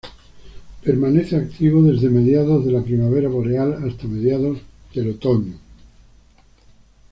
Permanece activo desde mediados de la primavera boreal, hasta mediados del otoño.